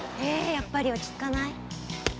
やっぱり落ち着かない？